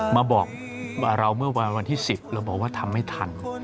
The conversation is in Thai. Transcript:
มาบอกเราเมื่อวันที่๑๐เราบอกว่าทำไม่ทัน